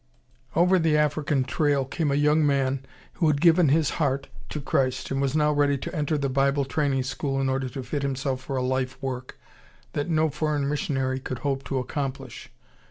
Over the African trail came a young man who had given his heart to Christ and was now ready to enter the Bible Training School in order to fit himself for a life work that no foreign missionary could hope to accomplish.